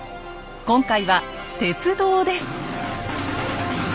今回は「鉄道」です。